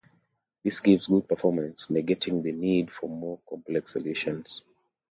This gives good performance, negating the need for more complex solutions.